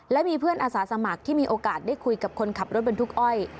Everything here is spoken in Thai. และมีเพื่อนอาสาสมัครที่มีโอกาสได้คุยกับคนขับรถบรรทุกอ้อย